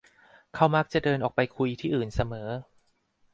เขามักจะเดินออกไปคุยที่อื่นเสมอ